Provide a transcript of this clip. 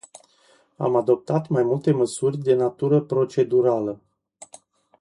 Am adoptat mai multe măsuri de natură procedurală.